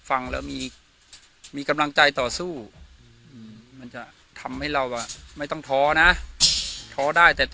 อาจจะไม่ถอย